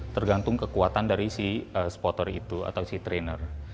tergantung kekuatan dari si spotter itu atau si trainer